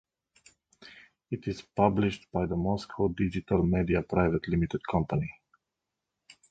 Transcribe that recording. It is published by the Moscow Digital Media private limited company.